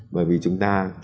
bởi vì chúng ta